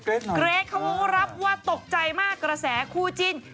เกรตเกรตหน่อยเกรตเกรตตกใจมากกระแสกราแสจีน